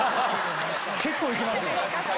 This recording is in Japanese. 結構行きますね。